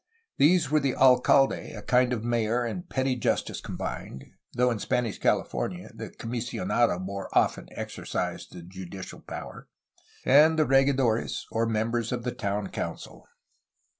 These were the alcalde, a kind of mayor and petty justice combined (though in Spanish California the comisionado more often exercised the judicial power), and the regidores, or members of the town council.